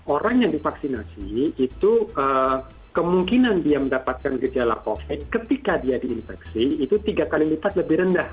orang yang divaksinasi itu kemungkinan dia mendapatkan gejala covid ketika dia diinfeksi itu tiga kali lipat lebih rendah